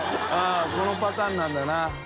このパターンなんだな。